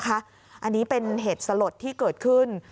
อันนี้เป็นเหตุสลดที่เกิดขึ้น